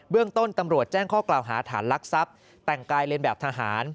เรื่องต้นตำรวจแจ้งข้อกล่าวหาฐานลักทรัพย์แต่งกายเรียนแบบทหาร